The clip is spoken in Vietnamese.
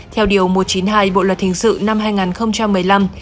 theo điều một trăm chín mươi hai bộ luật hình sự năm hai nghìn một mươi năm